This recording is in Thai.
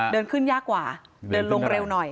เดินขึ้นยากกว่าเดินลงเร็วหน่อย